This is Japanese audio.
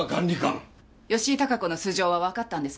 吉井孝子の素性はわかったんですか？